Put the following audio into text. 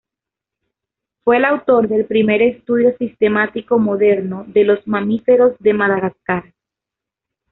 Fue el autor del primer estudio sistemático moderno de los mamíferos de Madagascar.